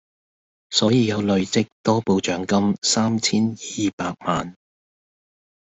所以有累積多寶獎金三千二百萬